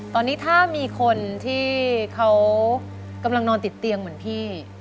ตอนนี้ถ้ามีคนที่เขากำลังนอนติดเตียงเหมือนพี่